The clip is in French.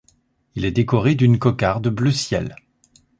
Il est décoré d'une cocarde bleu ciel.